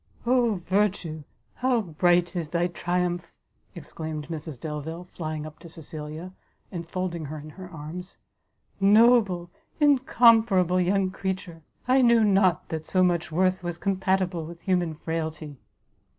"Oh Virtue, how bright is thy triumph!" exclaimed Mrs Delvile, flying up to Cecilia, and folding her in her arms; "Noble, incomparable young creature! I knew not that so much worth was compatible with human frailty!"